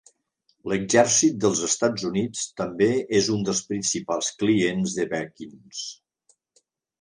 L'Exèrcit dels Estats Units també és un dels principals clients de Bekins.